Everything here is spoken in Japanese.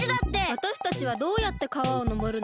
わたしたちはどうやって川をのぼるの？